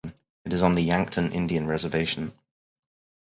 It is on the Yankton Indian Reservation.